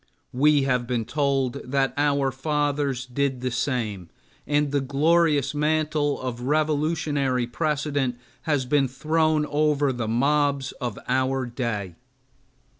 We have been told that our fathers did the same, and the glorious mantle of Revolutionary precedent has been thrown over the mobs of our day.